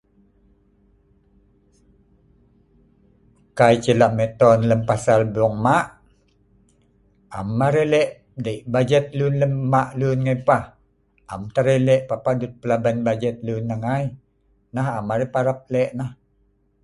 kai ceh la' meto lem pasal bong ma', am arai eek dei bajet lun lem ma lun ngai pah, am tah arai le' papah dut plaben lun nah ngai, nah am arai parap lek nah